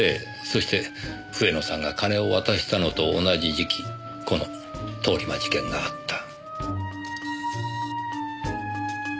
そして笛野さんが金を渡したのと同じ時期この通り魔事件があった。